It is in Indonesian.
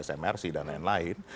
smrc dan lain lain